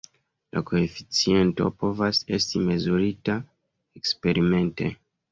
La koeficiento povas esti mezurita eksperimente.